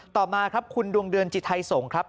ต่อมาครับคุณดวงเดือนจิไทยสงศ์ครับ